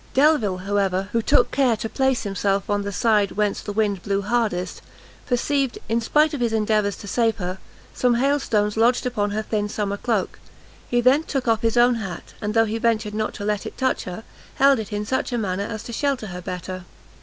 Delvile, however, who took care to place himself on the side whence the wind blew hardest, perceived, in spite of his endeavours to save her, some hail stones lodged upon her thin summer cloak; he then took off his own hat, and, though he ventured not to let it touch her, held it in such a manner as to shelter her better.